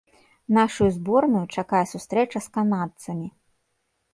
Нашую зборную чакае сустрэча з канадцамі.